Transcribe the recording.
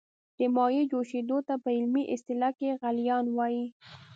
د مایع جوشیدو ته په علمي اصطلاح کې غلیان وايي.